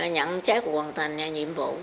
nhận xét hoàn thành nhiệm vụ